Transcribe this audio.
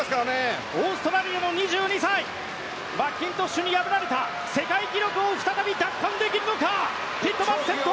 オーストラリアの２２歳マッキントッシュに破られた世界記録を再び奪還できるのかティットマス、先頭。